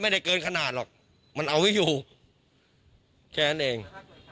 ไม่ได้เกินขนาดหรอกมันเอาไว้อยู่แค่นั้นเอง